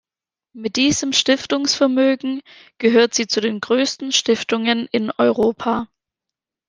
Mit diesem Stiftungsvermögen gehört sie zu den größten Stiftungen in Europa.